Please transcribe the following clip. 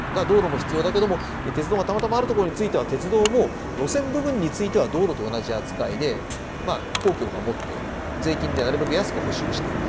道路も必要だけども鉄道がたまたまあるところについては鉄道も路線部分については道路と同じ扱いでまあ公共がもって税金でなるべく安く補修して。